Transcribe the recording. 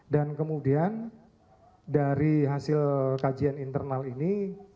dan kemudian dari hasil kajian internal ini